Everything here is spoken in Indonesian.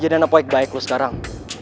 jadah nak pekek baik lo sekarang